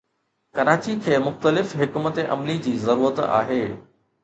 ڪراچي کي مختلف حڪمت عملي جي ضرورت آهي.